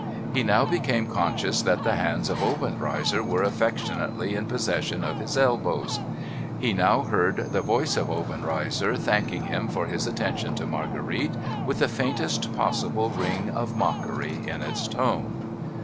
He now became conscious that the hands of Obenreizer were affectionately in possession of his elbows. He now heard the voice of Obenreizer thanking him for his atten tion to Marguerite, with the faintest possible ring of mockery in its tone.